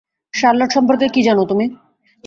Charlotte সম্পর্কে কী জানো তুমি?